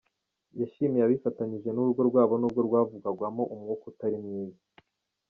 " Yashimiye abifatanyije n’urugo rwabo nubwo rwavugwagamo umwuka utari mwiza.